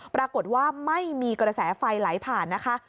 ปรากฏว่าไม่มีกระแสไฟไหลผ่านนะคะ